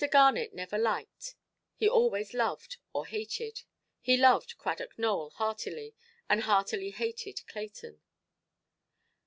Garnet never liked; he always loved or hated. He loved Cradock Nowell heartily, and heartily hated Clayton.